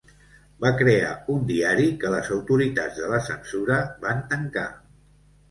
Va crear un diari que les autoritats de la censura van tancar.